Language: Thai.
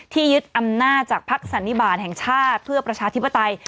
ที่ยืดอำนาจากพักศัลนิบาลแม่งชาติเพื่อประชาธิปไตย